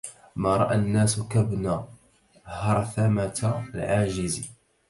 ما رأى الناس كابن هرثمة العاجز